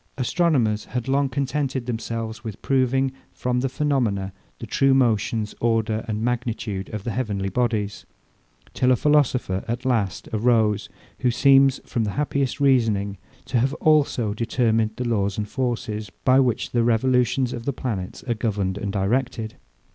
Astronomers had long contented themselves with proving, from the phaenomena, the true motions, order, and magnitude of the heavenly bodies: Till a philosopher, at last, arose, who seems, from the happiest reasoning, to have also determined the laws and forces, by which the revolutions of the planets are governed and directed.